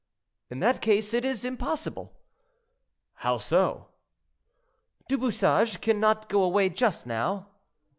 "In that case, it is impossible." "How so?" "Du Bouchage cannot go away just now."